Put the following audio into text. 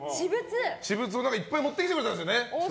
私物をいっぱい持ってきてくれたんですよね。